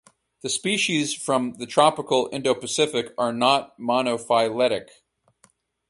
The species from the tropical Indo-Pacific are not monophyletic.